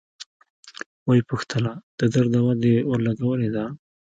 ويې پوښتله د درد دوا دې ورلګولې ده.